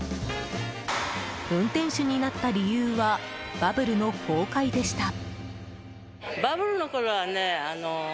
運転手になった理由はバブルの崩壊でした。